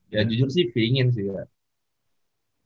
ya jujur sih pingin sih ya